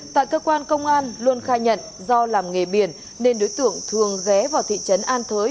tại cơ quan công an luân khai nhận do làm nghề biển nên đối tượng thường ghé vào thị trấn an thới